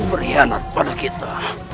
berhianat pada kita